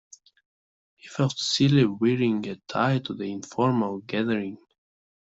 He felt silly wearing a tie to the informal gathering.